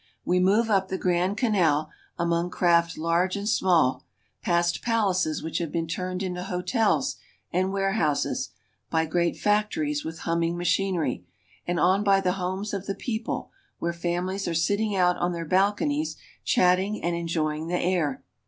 We move up the Grand Canal, among craft large and small, past palaces which have been turned into hotels and warehouses, by great factories with humming machinery, and on by the homes of the people, where families are sitting out on their balconies, chatting, and enjoying the air.